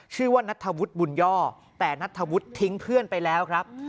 ชื่อว่านัทธวุฒิบุญย่อแต่นัทธวุฒิทิ้งเพื่อนไปแล้วครับ